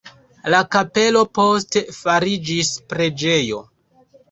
La kapelo poste fariĝis preĝejo.